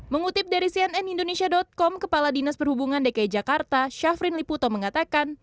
mengutip dari cnn indonesia com kepala dinas perhubungan dki jakarta syafrin liputo mengatakan